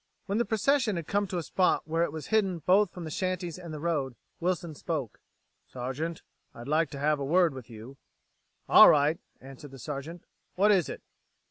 When the procession had come to a spot where it was hidden both from the shanties and the road, Wilson spoke: "Sergeant, I'd like to have a word with you." "All right," answered the Sergeant. "What is it?"